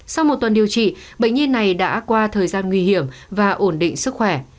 sau một tuần điều trị bệnh nhi này đã qua thời gian nguy hiểm và ổn định sức khỏe